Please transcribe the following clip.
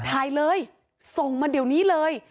ถ่ายเลยส่งมาเดี๋ยวนี้เลย